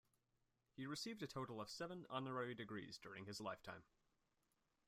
He received a total of seven honorary degrees during his lifetime.